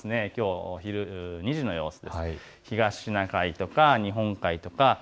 きょうお昼２時の様子です。